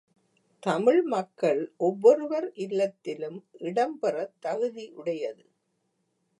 தமிழ் மக்கள் ஒவ்வொருவர் இல்லத்திலும் இடம் பெறத் தகுதியுடையது.